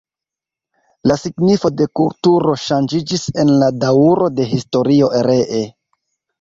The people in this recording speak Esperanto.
La signifo de kulturo ŝanĝiĝis en la daŭro de historio ree.